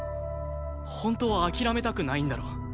本当は諦めたくないんだろ。